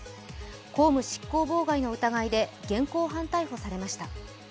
公務執行妨害の疑いで現行犯逮捕されました。